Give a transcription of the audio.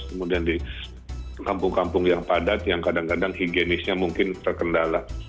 kemudian di kampung kampung yang padat yang kadang kadang higienisnya mungkin terkendala